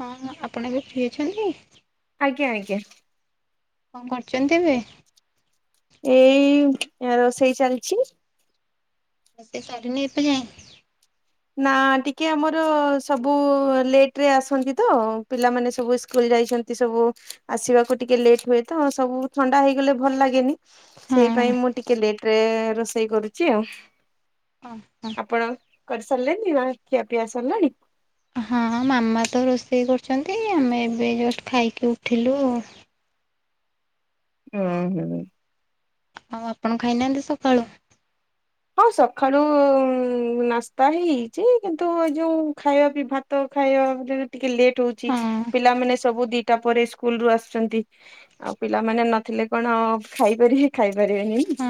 ହଁ ହଁ ଆପଣ ଏବେ ଫ୍ରି ଅଛନ୍ତି? ଆଜ୍ଞା ଆଜ୍ଞା। କଣ କରୁଛନ୍ତି ଏବେ? ଏଇ ରୋଷେଇ ଚାଲିଛି। ରୋସେଇ ସରିନି ଏବେ ଯାଏ। ନା ଟିକେ ଆମର ସବୁ ଲେଟ ରେ ଆସନ୍ତି ତ ପିଲାମାନେ ସବୁ ସ୍କୁଲ ଯାଇଛନ୍ତି। ଏମତି ସବୁ ଆସିବାକୁ ଟିକେ ଲେଟ୍ ହୁଏ ତ ସବୁ ଥଣ୍ଡା ହେଇଗଲେ ଭଲ ଲାଗେନି। ସେଇ ପାଇଁ ହଁ ମୁଁ ଟିକେ ଲେଟରେ ରୋଷେଇ କରୁଛି ଆଉ। ହଁ ହଁ। ଆପଣ କରିସାରିଲେଣି ନା ଖିଆ ପିଇ ସାରିଲାଣି? ହଁ ମାମା ତ ରୋଷେଇ କରୁଛନ୍ତି ଆମେ ଏବେ ଜଷ୍ଟ ଖାଇକି ଉଠିଲୁ ଆଉ। ହୁଁ ହୁଁ। ଆଉ ଆପଣ ଖାଇନାହାନ୍ତି ସକାଳୁ? ହଁ ସକାଳୁ ନାସ୍ତା ହିଁ ହେଇଛି କିନ୍ତୁ ଏ ଯୋଉ ଖାଇବା ପିଇବା ଭା ତ ଖାଇବା ଟିକେ ଲେଟ୍ ହଉଛି ହଁ ପିଲାମାନେ ସବୁ ଦିଟା ପରେ ସ୍କୁଲ ରୁ ଆସୁଛନ୍ତି। ଆଉ ପିଲାମାନେ ନଥିଲେ କଣ ଖାଇପାରିବେ ଖାଇପାରିବେନି ହଁ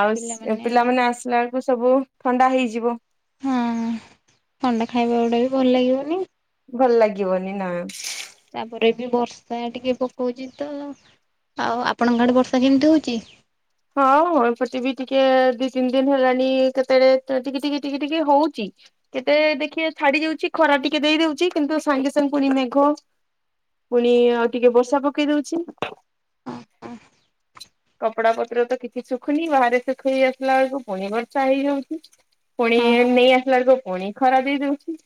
ଆଉ ସ୍ ପିଲାମାନେ ଆସିଲା ବେଳକୁ ସବୁ ଥଣ୍ଡା ହେଇଯିବ। ହଁ ଥଣ୍ଡା ଖାଇବା ଗୁଡା ବି ଭଲ ଲାଗିବନି। ଭଲ ଲାଗିବନି ନା। ତାପରେ ବି ବର୍ଷା ଟିକେ ପକଉଛି ତ ଆଉ ଆପଣଙ୍କ ଆଡେ ବର୍ଷା କେମିତି ହଉଛି? ହଁ ହଁ ଏପଟେ ବି ଟିକେ ଦି ତିନି ଦିନ ହେଲାଣି କେତେବେଳେ ତ ଟିକେ ଟିକେ ଟିକେ ଟିକେ ହଉଛି। କେତେ ଦେଖିବେ ଛାଡି ଯାଉଛି ଖରା ଟିକେ ଦେଇ ଦଉଛି କିନ୍ତୁ ସାଙ୍ଗେ ସାଙ୍ଗେ ପୁଣି ମେଘ। ପୁଣି ଆଉ ଟିକେ ବର୍ଷା ପକେଇ ଦଉଛି। କପଡା ପତ୍ର ତ କିଛି ଶୁଖୁନି ବାହାରେ ଶୁଖେଇ ଆସିଲା ବେଳକୁ ପୁଣି ବର୍ଷା ହେଇଯାଉଛି। ପୁଣି ହଁ। ନେଇ ଆସିଲା ବେଳକୁ ପୁଣି ଖରା ଦେଇଦଉଛି।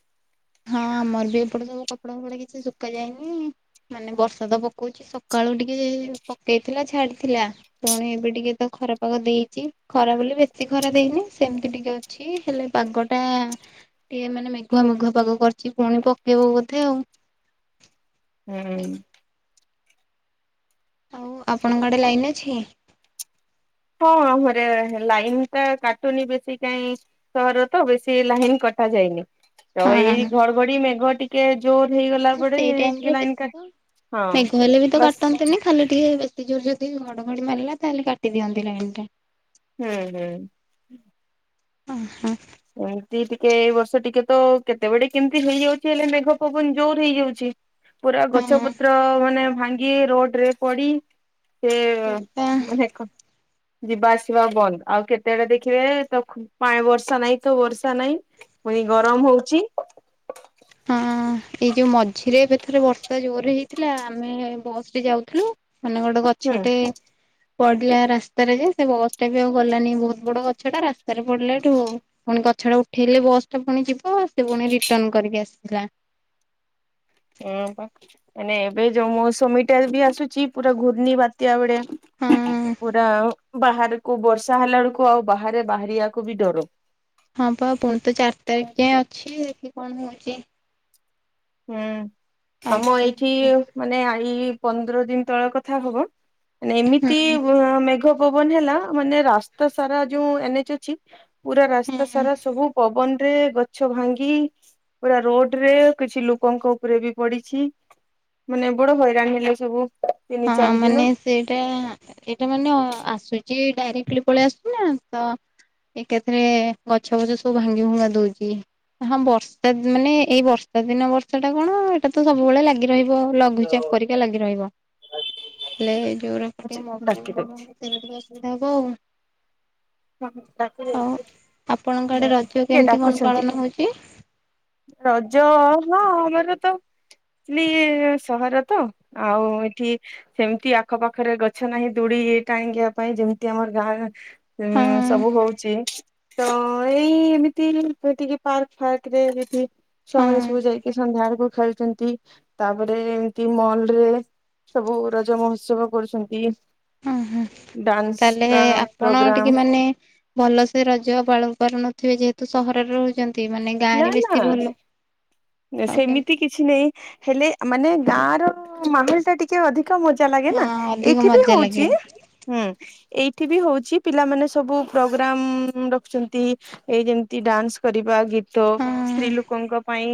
ହଁ ଆମର ବି ଏପଟେ ସବୁ କପଡା ଫପଡା କିଛି ଶୁଖା ଯାଇନି। ମାନେ ବର୍ଷା ତ ପକଉଛି ସକାଳୁ ଟିକେ ପକେଇଥିଲା ଛାଡିଥିଲା। ପୁଣି ଏବେ ଟିକେ ତ ଖରାପାଗ ଦେଇଛି ଖରା ବୋଲି ବେଶୀ ଖରା ଦେଇନି ସେମିତି ଟିକେ ଅଛି ଅଛି ହେଲେ ପାଗଟା ଟିକେ ମାନେ ମେଘୁଆ ମେଘୁଆ ପାଗ କରିଛି ପୁଣି ପକେଇବ ବୋଧେ ଆଉ। ହୁଁ। ଆଉ ଆପଣଙ୍କ ଆଡେ ଲାଇନ୍ ଅଛି? ହଁ ଘରେ ଲାଇନ୍ ଟା କାଟୁନି ବେଶୀ କାହିଁ ସହର ତ ବେଶୀ ଲାଇନ କଟା ଯାଇନି ତ ଏଇ ହଁ ଘଡଘଡି ମେଘ ଟିକେ। ଜୋର ହେଇଗଲା ପରେ ସେଇ ଟାଇମରେ ଟିକେ ଲାଇନ ବେଶୀ କା ତ ହଁ ମେଘ ହେଲେ ବି ତ ବାସ୍। କାଟନ୍ତିନି ଖାଲି ଟିକେ ବେଶୀ ଜୋର ଯଦି ଘଡ଼ଘଡ଼ି ମାରିଲା ତାହେଲେ କାଟିଦିଅନ୍ତି ଲାଇନ ଟା। ହୁଁ ହୁଁ। ଅଁ ହଁ। ଏମିତି ଟିକେ ଏଇ ବର୍ଷ ଟିକେ ତ କେତେବେଳେ ଟିକେ କେମିତି ହେଇଯାଉଛି ହେଲେ ମେଘ ପବନ ଜୋର ହେଇଯାଉଛି। ପୁରା ଗଛ, ହଁ ପତ୍ର ମାନେ ଭାଙ୍ଗି ରୋଡ ରେ ପଡି। ଏ ସେଇଟା ଅନେକ। ଯିବା ଆସିବା ବନ୍ଦ ଆଉ କେତେବେଳେ ଦେଖିବେ ତ ଖୁ ପା ବର୍ଷା ନାଇଁ। ତ ବର୍ଷା ନାଇଁ ପୁଣି ଗରମ ହଉଛି। ଅଁ ଏଇ ଯୋଉ ମଝିରେ ଏବେ ଥରେ ବର୍ଷା ଜୋରରେ ହେଇଥିଲା ଆମେ ବସ ରେ ଯାଉଥିଲୁ ମାନେ ଗୋଟେ ହୁଁ। ଗଛଟେ। ପଡିଲା ରାସ୍ତାରେ ଯେ ସେ ବସ ଟା ବି ଆଉ ଗଲାନି ବହୁତ ବଡ ଗଛଟା ରାସ୍ତାରେ ପଡିଲା ଠୁ। ପୁଣି ଗଛଟା ଉଠେଇଲେ ବସ ଟା ପୁଣି ଯିବ ସେ ପୁଣି ରିଟର୍ନ କରିକି ଆସିଥିଲା। ଉଁ ପା ମାନେ ଏବେ ଯୋଉ ମୌସୁମୀ ଟା ବି ଆସୁଛି ପୁରା ଘୂର୍ଣ୍ଣି ବାତ୍ୟା ଭଳିଆ। ହଁ ପୁରା ବାହାରକୁ ବର୍ଷା ହେଲା ବେଳକୁ ଆଉ ବାହାରେ ବାହାରିବାକୁ ବି ଡର। ହଁ ପା ପୁଣି ତ ଚାରି ତାରିଖ ଯାଏଁ ଅଛି ଦେଖି କଣ ହଉଛି। ହୁଁ ଆଜି ଆମ ତ ଏଇଠି ଦୁଇ ମାନେ ଆ ଏଇ ପନ୍ଦର ଦିନ ତଳ କଥା ହବ। ମାନେ ଏମିତି ହୁଁ ବ ମେଘ ପବନ ହେଲା ମାନେ ରାସ୍ତା ସାରା ଯୋଉ ଏନ ଏଚ ଅଛି। ପୁରା ରାସ୍ତା ହୁଁ ସାରା ସବୁ ପବନ ରେ ଗଛ ଭାଙ୍ଗି ପୁରା ରୋଡ ରେ। କିଛି ଲୋକଙ୍କ ଉପରେ ବି ପଡିଛି ମାନେ ବଡ ହଇରାଣ ହେଲେ ସବୁ। ତିନି ହଁ ଚାରି ଦିନ। ମାନେ। ସେଇଟା ଏଇଟା ମାନେ ଅ ଆସୁଛି ଡାଇରେକ୍ଟଲି ପଳେଇ ଆସୁଚିନା ତ। ଏକାଥରେ ଗଛ ଫଛ ସବୁ ଭାଙ୍ଗି ଭୁଙ୍ଗା ଦଉଛି। ହଁ ବର୍ଷା ମାନେ ଏଇ ବର୍ଷା ଦିନ ବର୍ଷା ଟା କଣ ଏଇଟା ତ ସବୁବେଳେ ଲାଗି ରହିବ ଲ ଘୁଚାପ ପରିକା ଲାଗି ରହିବ। ହେଲେ ଯୋଉଗୁରା ପଟେ ଅଛି ଡାକି ମୌସୁମୀ ଦଉଛି। [unintelligible] ଟିକେ ଅସୁବିଧା ହବ ଆଉ। ଆଉ ଆପଣଙ୍କ ଆଡେ ରଜ କିଏ କେମିତି କଣ ଡାକୁଛନ୍ତି ପାଳନ ହଉଛି? ରଜ ହଁ ଆମର ତ। ଚିଲି ସହର ତ ଆଉ ଏଠି। ସେମିତି ଆଖପାଖରେ ଗଛ ନାହିଁ ଦୁଡ଼ି ଟାଙ୍ଗିବା ପାଇଁ ଯେମିତି ଆମର ଗାଁ। ହଁ ଉଁ ସବୁ ହଉଛି। ତ ଏଇ ଏମିତି ସେ ଟିକେ ପାର୍କ ଫାର୍କ ରେ କିଛି। ହଁ ଛୁଆମାନେ ସବୁ ଯାଇକି ସନ୍ଧ୍ୟା ବେଳକୁ ଖେଳୁଛନ୍ତି। ତାପରେ ଏମିତି ମଲରେ ସବୁ ରଜ ମହୋତ୍ସବ କରୁଛନ୍ତି। ଉହୁଁ। ଡାନ୍ସ ତାହେଲେ ଆପଣ ପ୍ରୋଗ୍ରାମ ଟିକେ ମାନେ ଭଲସେ ରଜ ପାଳୁ ପାରୁନଥିବା ଯେହେତୁ ସହରରେ ରହୁଛନ୍ତି। ନ୍ତି ମାନେ ଗାଁ ନା ରେ ବେଶୀ ନା ଭଲ ଆଉ କେମତି ସେମିତି କିଛି ନାଇଁ ହେଲେ ମାନେ ଗାଁ ର ମାହୋଲ ଟା ଟିକେ ଅଧିକ କା ମଜା ଲାଗେ ହଁ ନା। ଅଧିକ ଏଇଠି ବି ମଜା ହଉଛି। ଲାଗେ ହୁଁ ଏଇଠି ବି ହଉଛି ପିଲାମାନେ ସବୁ ପ୍ରୋଗ୍ରାମ ରଖୁଛନ୍ତି। ଏଇ ଯେମିତି ଡ୍ୟାନ୍ସ କରିବା ଗୀତ ହଁ ସ୍ତ୍ରୀ ଲୋକଙ୍କ ପାଇଁ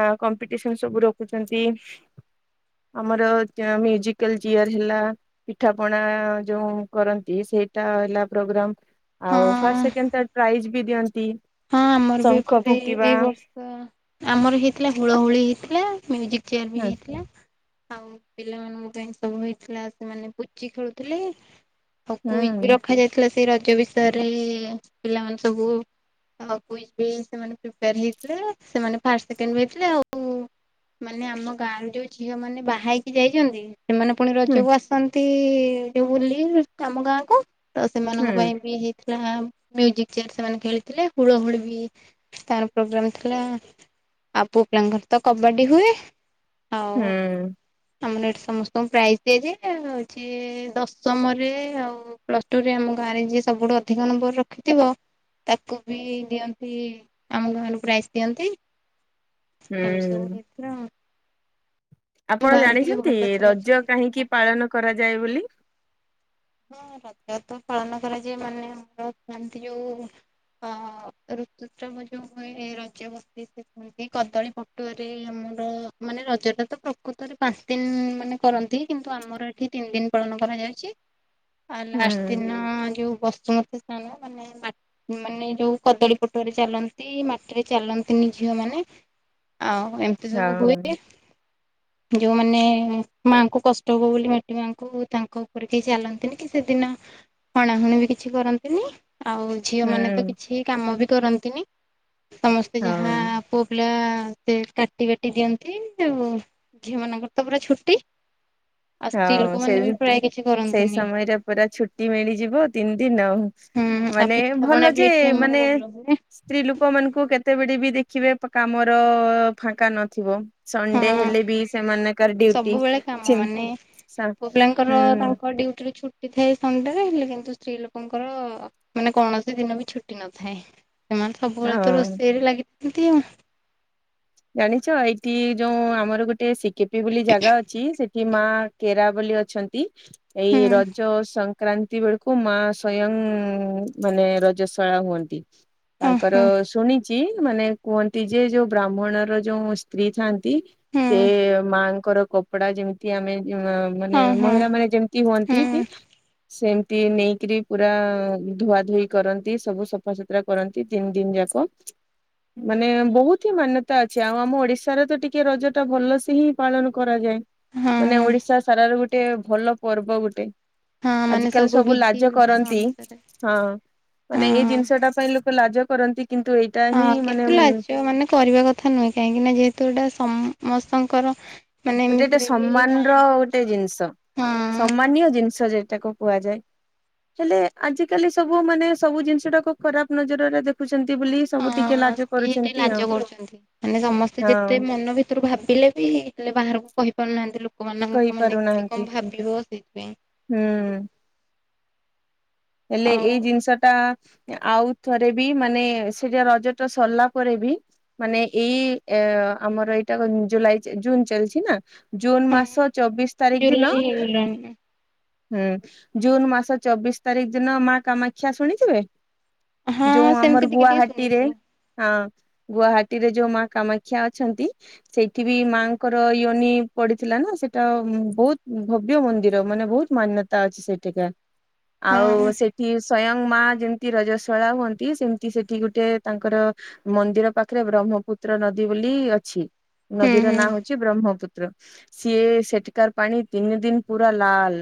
ଆ କମ୍ପିଟିସନ ସବୁ ରଖୁଛନ୍ତି। ଆମର ମ୍ୟୁଜିକାଲ ଚେୟାର ହେଲା। ପିଠା ପଣା ଯୋଉ କରନ୍ତି ସେଇଟା ହେଲା ପ୍ରୋଗ୍ରାମ। ଆଉ ଫାଷ୍ଟ ହଁ ସେକେଣ୍ଡ ଟା ପ୍ରାଇଜ ବି ଦିଅନ୍ତି। ହଁ ଆମର ବି ଶଙ୍ଖ ଏପଟେ ଫୁଙ୍କିବା ଏଇ ବର୍ଷ ଆମର ହେଇଥିଲା ହୁଳହୁଳି ହେଇଥିଲା ମ୍ୟୁଜିକ ଚେୟାର ବି ହୁଁ ହେଇଥିଲା। ଆଉ ପିଲାମାନଙ୍କ ପାଇଁ ସବୁ ହେଇଥିଲା ସେମାନେ ପୁଚି ଖେଳୁଥିଲେ। ଆଉ କୁଇଜ ବି ହୁଁ ରଖାଯାଇଥିଲା ସେଇ ରଜ ବିଷୟରେ ପିଲାମାନେ ସବୁ କୁଇଜ୍ ବି ସେମାନେ ପ୍ରିପାୟର ହେଇଥିଲେ ସେମାନେ ଫାଷ୍ଟ ସେକେଣ୍ଡ ବି ହେଇଥିଲେ ଆଉ ମାନେ ଆମ ଗାଁ ର ଯୋଉ ଝିଅ ମାନେ ବାହା ହେଇକି ଯାଇଛନ୍ତି ସେମାନେ ପୁଣି ହୁଁ ରଜକୁ ଆସନ୍ତି ଯୋଉ ବୁଲି ଆମ ଗାଁକୁ। ତ ହୁଁ ସେମାନଙ୍କ ପାଇଁ ବି ହେଇଥିଲା ମ୍ୟୁଜିକ ଚେୟାର ସେମାନେ ଖେଳିଥିଲେ। ହୁଳହୁଳି ବି ଷ୍ଟାର୍ ପ୍ରୋଗ୍ରାମ ଥିଲା। ଆଉ ପୁଅ ପିଲାଙ୍କର ତ କବାଡି ହୁଏ। ହୁଁ। ଆଉ ଆମର ଏଠି ସମସ୍ତଙ୍କୁ ପ୍ରାଇଜ ଦିଆଯାଏ। ଆଉ ହୋଉଛି ଦଶମରେ ଆଉ ପ୍ଲସ ଟୁରେ ଆମ ଗାଁ ରେ ଯିଏ ସବୁଠୁ ଅଧିକ ନମ୍ବର ରଖିଥିବ ତାକୁ ବି ଦିଅ ନ୍ତି। ଆମ ଗାଁରୁ ପ୍ରାଇଜ ଦିଅନ୍ତି। ଏମିତି ସବୁ ହୁଁ ହେଇଥିଲା ଆଉ। ଆପଣ ଗାଁରେ ଟିକେ ଜାଣିଛନ୍ତି ଭଲ ଥର ରଜ କାହିଁକି ପାଳନ କରାଯାଏ ବୋଲି? ହଁ ରଜ ତ ପାଳନ କରାଯାଏ ମାନେ ଆମର କୁହନ୍ତି ଯୋଉ ଅ ଋତୁସ୍ରାବ ଯୋଉ ହୁଏ ରଜବତ୍ତି ସେ କଦଳୀ ପଟୁଆରେ ଆମର ମାନେ ରଜଟା ତ ପ୍ରକୃତରେ ପାଞ୍ଚ ଦିନ ମାନେ କରନ୍ତି କିନ୍ତୁ ଆମର ଏଠି ତିନି ଦିନ ପାଳନ କରାଯାଉଛି। ଆଉ ହୁଁ ଲାଷ୍ଟ ଦିନ ଯୋଉ ବସୁମତି ସ୍ନାନ ମାନେ ମାନେ ଯୋଉ କଦଳୀ ପଟୁଆ ରେ ଚାଲନ୍ତି ମାଟିରେ ଚାଲନ୍ତିନି ଝିଅ ମାନେ। ଆଉ ଏମିତି ସବୁ ହୁଏ। ହଁ। ଯୋଉମାନେ ମାଆଙ୍କୁ କଷ୍ଟ ହବ ବୋଲି ମାଟି ମାଆଙ୍କୁ ତାଙ୍କ ଉପରେ କେହି ଚାଲନ୍ତି ନ୍ତିନି କି ସେଦିନ ହଣାହୁଣି ବି କିଛି କରନ୍ତିନି। ଆଉ ଝିଅ ମାନେ ତ ହୁଁ କିଛି କାମ ବି କରନ୍ତିନି ସମସ୍ତେ ଯାହା ହଁ। ପୁଅ ପିଲା ସେ କାଟି ବାଟି ଦିଅନ୍ତି। ଆଉ ଝିଅ ମାନଙ୍କର ତ ପୁରା ଛୁଟି ଆଉ ସ୍ତ୍ରୀ ହଁ ଲୋକ ସେଇ ମାନେ ବି ପ୍ରାୟ କିଛି ସେଇ କରନ୍ତିନି। ସମୟରେ ପୁରା ଛୁଟି ମିଳିଯିବ ତିନି ଦିନ ଆଉ। ହୁଁ ଆଉ ମାନେ ପିଠାପଣା ଭଲ ବି ଯେ ଏଠି ଆମର ମାନେ ଭଲ ହୁଏ ସ୍ତ୍ରୀ ଲୋକ ମାନଙ୍କୁ କେତେବେଳେ ବି ଦେଖିବେ କାମର ଫାଙ୍କା ନଥିବ। ସଣ୍ଡେ ହଁ ହେଲେ ବି ସେମାନଙ୍କର ଡିଉଟି। ସବୁବେଳେ କାମ ଚି ମାନେ ପୁଅ ପିଲାଙ୍କର ତାଙ୍କ ଡିଉଟିରୁ ଛୁ ଛୁଟି ଥାଏ ସଣ୍ଡେରେ। ହେଲେ କିନ୍ତୁ ସ୍ତ୍ରୀ ଲୋକଙ୍କର ମାନେ କୌଣସି ଦିନ ବି ଛୁଟି ନଥାଏ। ସେମାନେ ସବୁବେଳେ ତ ହଁ। ରୋଷେଇରେ ଲାଗିଥାନ୍ତି ଆଉ। ଜାଣିଛ ଏଇଠି ଯୋଉ ଆମର ଗୋଟେ ସିକିପି ବୋଲି ଜାଗା ଅଛି। ସେଠି କି ମା କେରାବଲି ଅଛନ୍ତି। ଏଇ ହୁଁ ରଜ ସଂକ୍ କ୍ରାନ୍ତି ବେଳକୁ ମା ସ୍ଵୟଂ ମାନେ ରଜସ୍ବଳା ହୁଅନ୍ତି। ଅ ତାଙ୍କର ହଁ ଶୁଣିଚି ମାନେ କୁହନ୍ତି ଯେ ଯୋଉ ବ୍ରାହ୍ମଣର ଯୋଉ ସ୍ତ୍ରୀ ଥାଆନ୍ତି ହୁଁ ସେ ମାଙ୍କର କପଡା ଯେମିତି ଆମେ ମାନେ ହଁ ହଁ ମହିଳାମାନେ ଯେମିତି ହୁଁ ହୁଅନ୍ତି କି ସେମତି ନେଇକିରି ପୁରା ଧୁଆଧୁଇ କରନ୍ତି। ସବୁ ସଫାସଫି ଯାତ୍ରା କରନ୍ତି ତିନି ଦିନି ଯାକ ମାନେ ବହୁତ ହିଁ ମାନ୍ୟ ତା ଅଛି। ଆଉ ଆମ ଓଡିଶାରେ ତ ଟିକେ ରଜଟା ଭଲସେ ହିଁ ପାଳନ କରାଯାଏ। ହଁ ମାନେ ହଁ ଓଡିଶା ସାରାର ଗୋଟେ ଭଲ ପର୍ବ ଗୋଟେ। ହଁ ମାନେ ଆଜିକାଲି ସବୁ ବିଧି ଲାଜ ବିଧାନ କରନ୍ତି। ଅନୁସାରେ ହଁ ମାନେ ହଁ ଏଇ ଜିନିଷଟା ପାଇଁ ଲୋକେ ଲାଜ କରନ୍ତି କିନ୍ତୁ ଏଇ ହଁ କେତୁଲା ଝିଅମାନେ କରିବା କଥା ନୁହେଁ କାହିଁକି ନା ଯେହେତୁ ଏଟା ସମସ୍ତଙ୍କର ମାନେ ଗୋଟେତ ଏମିତିରେ ବି ସମ୍ମାନର ମାଆଙ୍କ ଗୋଟେ ଜିନିଷ। ହଁ ସମ୍ମାନୀୟ ଜିନିଷ ଯେଟାକୁ କୁହାଯାଏ। ହେଲେ ଆଜିକାଲି ସବୁ ମାନେ ସବୁ ଜିନିଷଟାକୁ ଖରାପ ନଜରରେ ଦେଖୁଛନ୍ତି ବୋଲି ସବୁ ଟିକେ ହଁ ଲାଜ କିଏ ଏତେ କରୁଛନ୍ତି ଆଉ ଲାଜ କରୁଛନ୍ତି ମାନେ ସମସ୍ତେ ଯେତେ ହଁ ମନ ବି ତରୁ ଭାବିଲେ ବି ହେଲେ ବାହାରକୁ କହିପାରୁନାହାନ୍ତି ଲୋକମାନଙ୍କ ମାନେ କିଏ କହିପାରୁନାହାନ୍ତି କଣ ଭାବିବ ସେଇଥିପାଇଁ। ହୁଁ ହେଲେ ଆଉ ଏଇ ଜିନିଷଟା ଆଉ ଥରେ ବି ମାନେ ସେଟା ରଜଟା ସରିଲା ପରେ ବି ମାନେ ଏଇ ଆମର ଏଇଟା ଜୁଲାଇ ଜୁନ ଚାଲିଛି ନା ଜୁନ ହଁ ମାସ ଚବିଶି ତାରିଖ ଦିନ ଜୁଲାଇ ହେଇଗଲାଣି ହୁଁ, ଜୁନ ମାସ ଚବିଶ ତାରିଖ ଦିନ ମା କାମାକ୍ଷା ଶୁଣିଥିବେ ହଁ ଯୋଉ ସେମିତି ଆମର ଟିକେ ଟିକେ ଗୁଆହାଟିରେ ଶୁଣିଛି ହଁ ଗୁହାଟୀରେ ଯୋଉ ମା କାମାକ୍ଷା ଅଛନ୍ତି ସେଇଠି ବି ମାଙ୍କର ୟନି ପଡିଥିଲା ନା ସେଟା ବହୁତ ଭବ୍ୟ ମନ୍ଦିର ମାନେ ବହୁତ ମାନ୍ୟତା ଅଛି ସେଇଠିକା। ଆଉ ହଁ ସେଠି ସ୍ଵୟଂ ମା ଯେମିତି ରଜସ୍ବଳା ହୁଅନ୍ତି ସେମତି ସେଠି ଗୋଟେ ତାଙ୍କର ମନ୍ଦିର ପାଖରେ ବ୍ରହ୍ମପୁତ୍ର ନଦୀ ବୋଲି ଅଛି। ହୁଁ ନଦୀର ହୁଁ ନାଁ ହଉ ଛି ବ୍ରହ୍ମପୁତ୍ର। ସିଏ ସେଠିକାର ପାଣି ତିନି ଦିନ ପୁରା ଲାଲ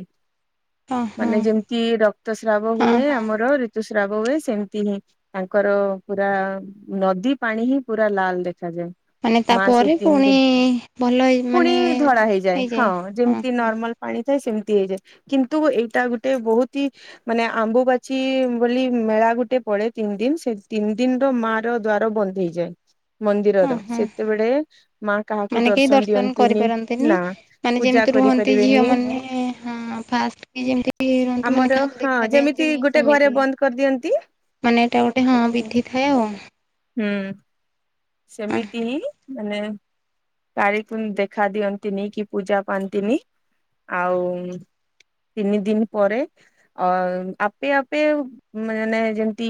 ହଁ ହଁ ମାନେ ଯେମିତି ରକ୍ତସ୍ରାବ ହଁ ହୁଏ ହଁ ଆମର ଋତୁସ୍ରାବ ହୁଏ ସେମିତି ହିଁ ତାଙ୍କର ପୁରା ନଦୀ ପାଣି ହିଁ ପୁରା ଲାଲ ଦେଖାଯାଏ। ମାନେ ମା ତାପରେ ସେତିନି ପୁଣି ଦିନ ଭଲ ହେଇ ପୁଣି ମାନେ ଧଳା ହେଇଯାଏ। ହଁ ହଁ ଯେମିତି ହଁ ନର୍ମାଲ ପାଣି ଥାଏ ସେମିତି ହେଇଯାଏ କିନ୍ତୁ ଏଇଟା ଗୋଟେ ବହୁତ ହି ମାନେ ଆମ୍ବୁବାଚି ବୋଲି ମେଳା ଗୋଟେ ପଡେ ତିନି ଦିନି ସେ ତିନି ଦିନର ମା ର ଦ୍ଵାର ବନ୍ଦ ହେଇଯାଏ ମନ୍ଦିରର। ହଁ ହଁ ସେତେବେଳେ ମା କାହାକୁ ମାନେ କେହି ଦର୍ଶନ ଦିଅନ୍ତିନି। କରିପାରନ୍ତିନି ନାଁ ମାନେ ଯେମିତି ରୁହନ୍ତି ଝିଅ ମାନେ ହଁ ଫାଷ୍ଟ କି ଯେମତି ତି ରୁହନ୍ତିୁ ମାନେ ଆମର କାହାକୁ ହଁ ଦେଖା ଯେମିତି ଦିଅନ୍ତିନି ଗୋଟେ ଘରେ ସେମିତି। ବନ୍ଦ କରିଦିଅନ୍ତି ମାନେ ଏଟା ଗୋଟେ ହଁ ବିଧି ଥାଏ ଆଉ। ହୁଁ ସେମିତି ହିଁ ମାନେ କାରି ପୁଣି ଦେଖା ଦିଅନ୍ତିନି କି ପୂଜା ପାଆନ୍ତିନି ଆଉ ତିନି ଦିନି ପରେ ଅ ଆପେ ଆପେ ଆଉ ମାନେନେ ଯେମିତି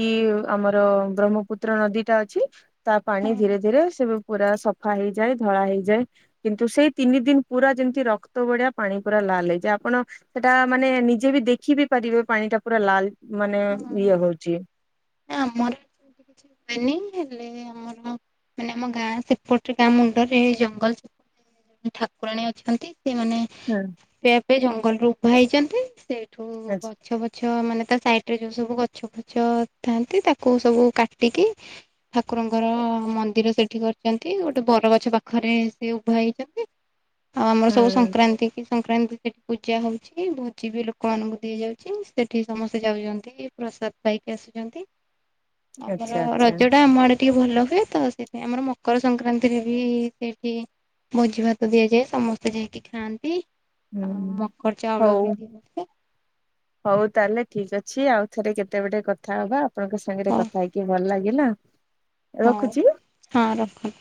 ଆମର ବ୍ରହ୍ମପୁତ୍ର ନଦୀ ଅଛି ତା ପାଣି ଧୀରେ ଧୀରେ ସ ପୁରା ସଫା ହେଇଯାଏ ଧଳା ହେଇଯାଏ କିନ୍ତୁ ସେଇ ତିନି ଦିନ ପୁରା ଯେମିତି ରକ୍ତ ବଡିଆ ପାଣି ପୁରା ଲା ଲେ ଯେ ଆପଣ ସେଟା ମାନେ ନିଜେ ବି ଦେଖି ବି ପାରିବେ ପାଣି ଟା ପୁରା ଲାଲ ମାନେ ଇଏ ହଉଛି ନା ଆମର [unintelligible] ହେଲେ ଆମର ମାନେ ଆମ ଗାଁ ସେପଟରେ ଗାଁ ମୁଣ୍ଡରେ ଜଙ୍ଗଲ ସେପଟେ ଠାକୁରାଣୀ ଅଛନ୍ତି ସେମାନେ ହଁ। ଏବେ ଜଙ୍ଗଲରୁ ଉଭା ହେଇଛନ୍ତି ସେଇଠୁ ଆଛା ଗଛ ବଛ ଗଛ ମାନେ ତା ସାଇଟ ରେ ଯୋଉ ସବୁ ଗଛ ଫୁଛ ଥାନ୍ତି ତାକୁ ସବୁ କାଟିକି ଠାକୁରଙ୍କର ମନ୍ଦିର ସେଠି କରିଛନ୍ତି ଗୋଟେ ବରଗଛ ପାଖରେ ସେ ଉଭା ହେଇଛନ୍ତି। ଆଉ ଆମର ସବୁ ହୁଁ ସଂକ୍କ୍ରାନ୍ତି କି ସଂକ୍ରାନ୍ତି ସେଠି ପୂଜା ହଉଛି ଭୋଜି ବି ଲୋକମାନାନଙ୍କୁ ଦିଆ ଯାଉଛି ସେଠି ସମସ୍ତେ ଯାଉଛନ୍ତି। ପ୍ରସାଦ ପାଇକି ଆସୁଛନ୍ତି ଆମର ଆଚ୍ଛା ଆଚ୍ଛା ରଜ ଟା ଆମ ଆଡେ ଟିକେ ଭଲ ହୁଏ ତ ସେଠ ଆମର ମକର ସଂକ୍ରାନ୍ତିରେ ବି ସେଇଠି ମୋଜି ଭାତ ଦିଆଯାଏ ସମସ୍ତେ ଯାଇକି ଖାଆନ୍ତି ହୁଁ ଆଉ ମକର ଚାଉଳ ହଉ ବି ଦିଅନ୍ତି। ହଉ ତାହେଲେ ଠିକ ଅଛି ଆଉ ଥରେ କେତେ ଗଟେ କଥା ହବା ଆପଣଙ୍କ ସାଙ୍ଗରେ ହ କଥା ହେଇକ ଭଲ ଲାଗିଲା? ହଉ ରଖୁଛି। ହଁ ରଖନ୍ତୁ।